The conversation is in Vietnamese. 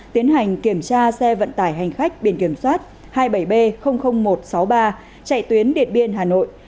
tiến hành kiểm tra xe vận tải hành khách biển kiểm soát hai mươi bảy b một trăm sáu mươi ba chạy tuyến điện biên hà nội